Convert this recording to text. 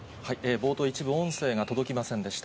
冒頭、一部音声が届きませんでした。